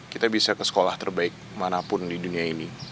kita bisa ke sekolah terbaik manapun di dunia ini